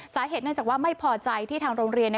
สาเหตุเนื่องจากว่าไม่พอใจที่ทางโรงเรียน